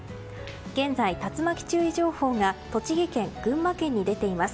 現在、竜巻注意情報が栃木県、群馬県に出ています。